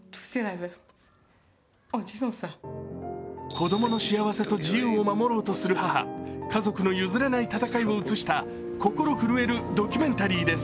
子供の幸せと自由を守ろうとする母家族の譲れない戦いを映した心震えるドキュメンタリーです。